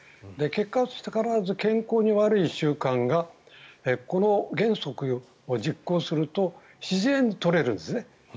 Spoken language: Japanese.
結果、必ず健康に悪い習慣がこの原則を実行すると自然に取れるんですね。